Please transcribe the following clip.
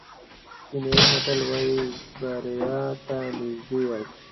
کینیايي متل وایي بریا ته نژدې یاست.